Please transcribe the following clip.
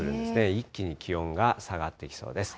一気に気温が下がってきそうです。